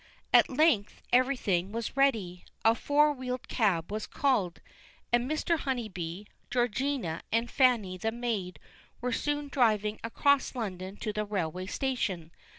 At length everything was ready. A four wheeled cab was called, and Mr. Honeybee, Georgina, and Fanny the maid, were soon driving across London to the railway station.